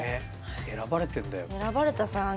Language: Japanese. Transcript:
選ばれてんだよ。